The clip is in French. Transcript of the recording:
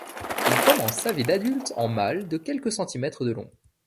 Il commence sa vie d'adulte en mâle de quelques centimètres de long.